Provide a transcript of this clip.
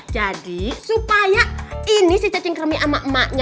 jadi supaya ini si cacing kremi sama emaknya